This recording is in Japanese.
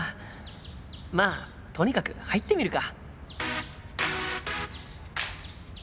まあとにかく入ってみるか。